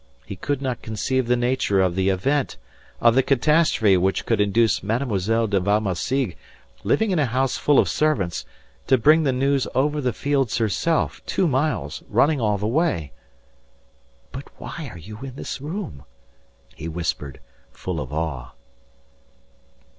He could not conceive the nature of the event, of the catastrophe which could induce Mlle, de Valmassigue living in a house full of servants, to bring the news over the fields herself, two miles, running all the way. "But why are you in this room?" he whispered, full of awe.